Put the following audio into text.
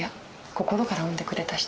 心から産んでくれた人。